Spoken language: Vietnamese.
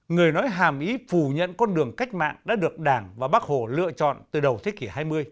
người nói hàm ý phủ nhận con đường cách mạng đã được đảng và bác hồ lựa chọn từ đầu thế kỷ hai mươi